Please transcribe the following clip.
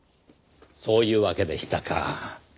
そういうわけでしたか。